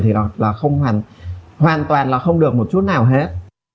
thì là không hoàn toàn là không được một chút nào hết